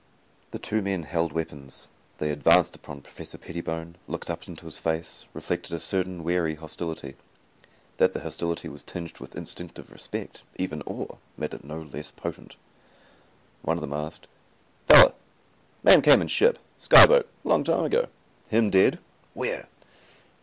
The two men held weapons. They advanced upon Professor Pettibone, looked up into his face, reflected a certain wary hostility. That the hostility was tinged with instinctive respect, even awe, made it no less potent. One of them asked, "Fella man came in ship sky boat long time ago. Him dead? Where?"